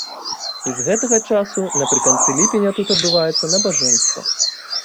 І з гэтага часу напрыканцы ліпеня тут адбываецца набажэнства.